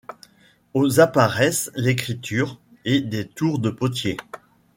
Au apparaissent l'écriture, et des tours de potier.